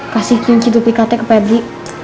kasih kunci dupik kartu ke pebri